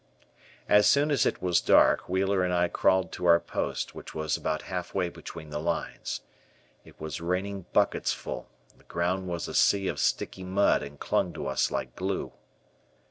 As soon as it was dark. Wheeler and I crawled to our post which was about half way between the lines. It was raining bucketsful, the ground was a sea of sticky mud and clung to us like glue.